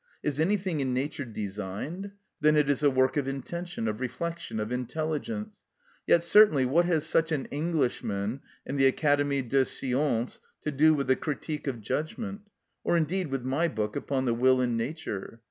Is anything in nature designed? then it is a work of intention, of reflection, of intelligence. Yet, certainly, what has such an Englishman and the Académie des Sciences to do with the "Critique of Judgment," or, indeed, with my book upon the Will in Nature?